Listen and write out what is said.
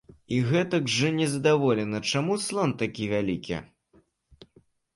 І гэтак жа незадаволеныя, чаму слон такой вялікі.